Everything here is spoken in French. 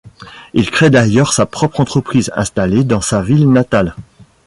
Il crée d'ailleurs sa propre entreprise, installée dans sa ville natale.